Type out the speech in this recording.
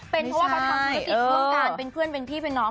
เป็นเพราะว่าเขาทำธุรกิจร่วมกันเป็นเพื่อนเป็นพี่เป็นน้อง